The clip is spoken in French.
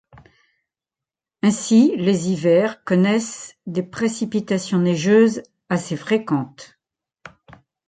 Ainsi, les hivers connaissent des précipitations neigeuses assez fréquentes.